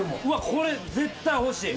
これ絶対欲しい。